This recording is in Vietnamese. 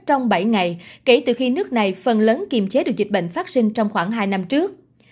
trong bảy ngày kể từ khi nước này phần lớn kiềm chế được dịch bệnh phát sinh trong khoảng hai năm trước